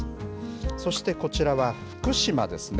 そしてこちらは福島ですね。